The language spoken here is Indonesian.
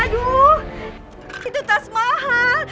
aduh itu tas mahal